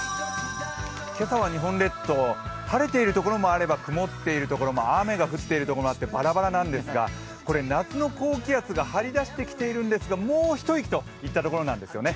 今朝は日本列島晴れている所もあれば曇っている所も、雨が降っている所もあって、ばらばらなんですが、これ、夏の高気圧が張り出しているんですが、もうひと息といったところなんですよね。